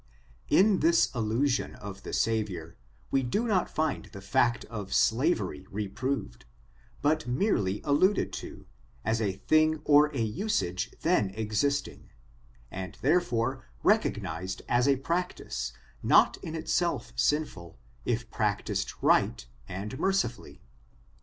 In this allusion of (he Savior, we do not find the fact of slavery reproved, but merely alluded to, a3 a thing or a usage then existing, and, therefore, recog* nized as a practice, not in itself sinful, if practiced right and mercifully.